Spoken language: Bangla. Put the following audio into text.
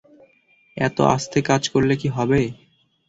এত আস্তে কাজ করলে কি হবে?